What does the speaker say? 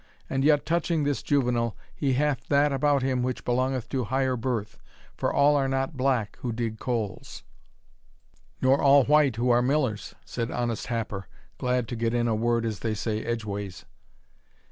And yet, touching this juvenal, he hath that about him which belongeth to higher birth, for all are not black who dig coals " "Nor all white who are millers," said honest Happer, glad to get in a word, as they say, edgeways.